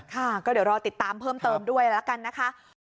ค่ะก็เดี๋ยวรอติดตามเพิ่มเติมด้วยแล้วกันนะคะ